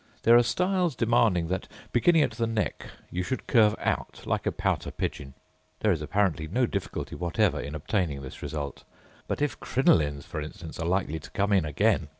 There are styles demanding that beginning at the neck you should curve out, like a pouter pigeon. There is apparently no difficulty whatever in obtaining this result. But if crinolines, for instance, are likely to come in again!